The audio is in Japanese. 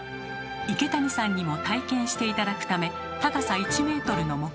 池谷さんにも体験して頂くため高さ１ｍの木馬を用意しました。